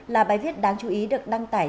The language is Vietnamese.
là bài viết đáng chú ý được đăng tải